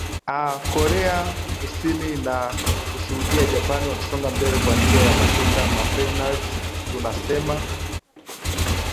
aa korea kusini na kushudia japan wakisonga mbele kwa njia ya matuta mapenalti tunasema